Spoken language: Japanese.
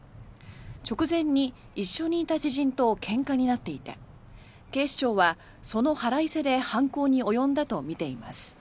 直前に一緒にいた知人とけんかになっていて警視庁は、その腹いせで犯行に及んだとみています。